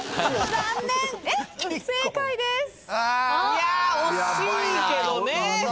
いやぁ惜しいけどね。